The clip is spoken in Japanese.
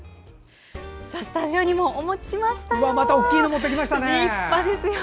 スタジオにもお持ちしましたよ。